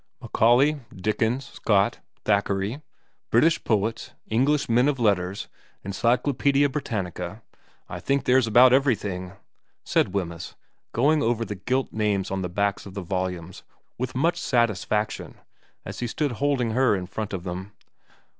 ' Macaulay, Dickens, Scott, Thackeray, British Poets, English Men of Letters, Encyclopaedia Britannica I think there's about everything,' said Wemyss, going over the gilt names on the backs of the volumes with xvm VERA 201 much satisfaction as he stood holding her in front of them.